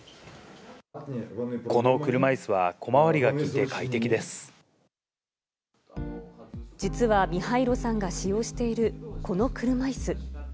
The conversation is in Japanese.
この車いすは、実はミハイロさんが使用しているこの車いす。